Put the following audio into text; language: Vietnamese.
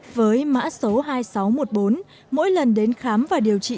với mã số hai nghìn sáu trăm một mươi bốn mỗi lần đến khám và điều trị